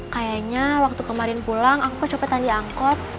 kayaknya waktu kemarin pulang aku kecopetan di angkot